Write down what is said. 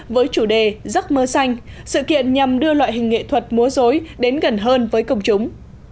với chủ đề giấc mơ xanh sự kiện nhằm đưa loại hình nghệ thuật múa dối đến gần hơn với công chúng